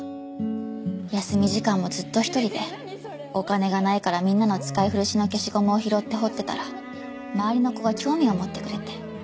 休み時間もずっと一人でお金がないからみんなの使い古しの消しゴムを拾って彫ってたら周りの子が興味を持ってくれて。